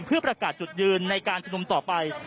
เพื่อประกาศจุดยืนในการชุมนุมต่อไป